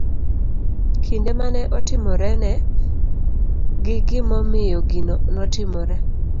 kinde ma ne otimorene, gi gimomiyo gino notimore.